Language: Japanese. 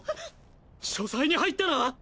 書斎に入ったな！